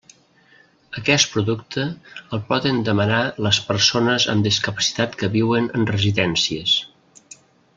Aquest producte el poden demanar les persones amb discapacitat que viuen en residències.